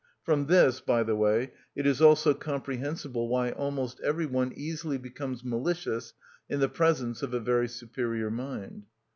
From this, by the way, it is also comprehensible why almost every one easily becomes malicious in the presence of a very superior mind.